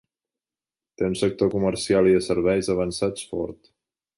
Té un sector comercial i de serveis avançats fort.